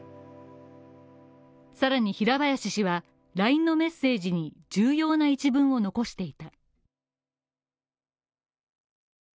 さらに平林氏は、ＬＩＮＥのメッセージに重要な１文を残していた。